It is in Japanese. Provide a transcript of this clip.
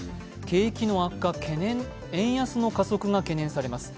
景気の悪化懸念円安の加速が懸念されます。